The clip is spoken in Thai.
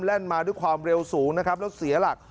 แร่นมาด้วยความเร็วสูงแล้วเสียหลัก